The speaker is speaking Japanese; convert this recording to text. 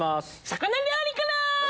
魚料理から！